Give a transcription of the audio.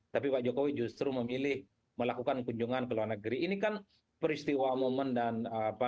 tapi pak jokowi justru memilih melakukan kunjungan ke luar negeri ini kan peristiwa momen dan apa